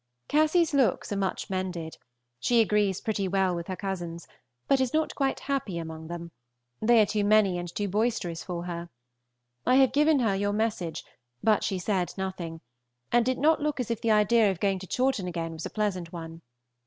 Cassy's looks are much mended. She agrees pretty well with her cousins, but is not quite happy among them; they are too many and too boisterous for her. I have given her your message, but she said nothing, and did not look as if the idea of going to Chawton again was a pleasant one.